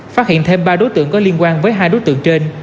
phát hiện thêm ba đối tượng có liên quan với hai đối tượng trên